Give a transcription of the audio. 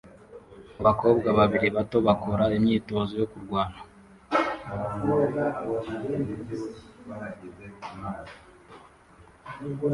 Abakobwa babiri bato bakora imyitozo yo kurwana